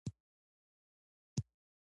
اسلام د مال ساتنه واجب ګڼي